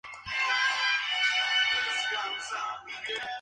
Posee un paso deprimido y conexión directa con la Autopista General Rumiñahui.